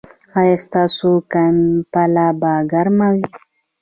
ایا ستاسو کمپله به ګرمه وي؟